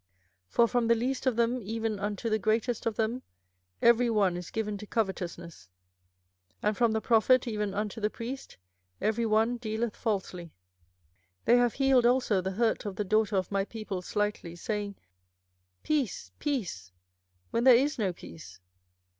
24:006:013 For from the least of them even unto the greatest of them every one is given to covetousness; and from the prophet even unto the priest every one dealeth falsely. 24:006:014 They have healed also the hurt of the daughter of my people slightly, saying, Peace, peace; when there is no peace.